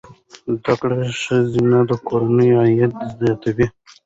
زده کړه ښځه د کورنۍ عاید زیاتوي.